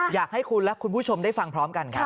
อยากให้คุณและคุณผู้ชมได้ฟังพร้อมกันครับ